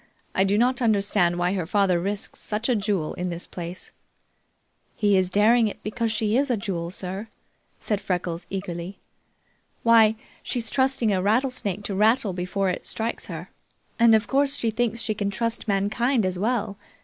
I do not understand why her father risks such a jewel in this place." "He's daring it because she is a jewel, sir," said Freckles, eagerly. "Why, she's trusting a rattlesnake to rattle before it strikes her, and of course, she thinks she can trust mankind as well.